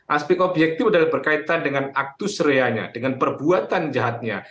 aspek objektif adalah berkaitan dengan aktus reanya dengan perbuatan jahatnya